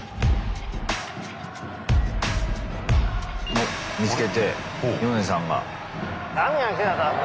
おっ見つけてヨネさんが。